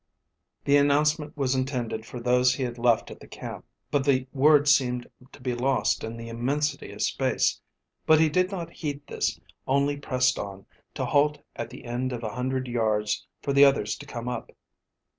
The announcement was intended for those he had left at the camp, but the words seemed to be lost in the immensity of space. But he did not heed this, only pressed on, to halt at the end of a hundred yards for the others to come up.